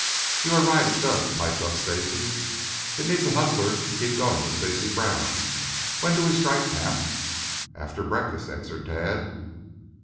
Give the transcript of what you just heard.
"You are right it does," piped up Stacy. "It needs a hustler to keep going with Stacy Brown. When do we strike camp?" "After breakfast," answered Tad.